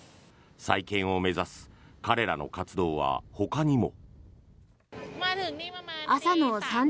再建を目指す彼らの活動はほかにも。